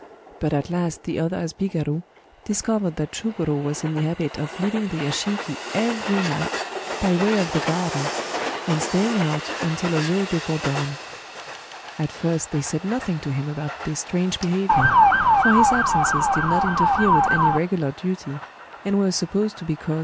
But at last the other ashigaru discovered that Chugoro was in the habit of leaving the yashiki every night, by way of the garden, and staying out until a little before dawn. At first they said nothing to him about this strange behaviour; for his absences did not interfere with any regular duty, and were supposed to be caused 1 The atbigarm were the loweK chm of retainen in militaiy temce.